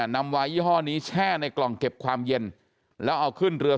นำวายยี่ห้อนี้แช่ในกล่องเก็บความเย็นแล้วเอาขึ้นเรือ